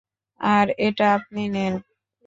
আর এটা আপনি নেন।